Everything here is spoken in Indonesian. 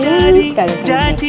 gak ada sama sekali